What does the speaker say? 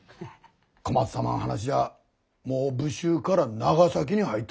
小松様ん話じゃもう武州から長崎に入ったそうじゃ。